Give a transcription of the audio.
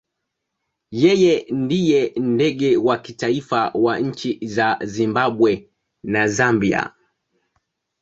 Yeye ndiye ndege wa kitaifa wa nchi za Zimbabwe na Zambia.